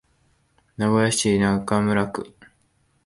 名古屋市中村区